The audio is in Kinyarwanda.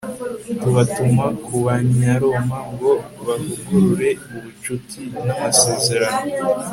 tubatuma ku banyaroma ngo bavugurure ubucuti n'amasezerano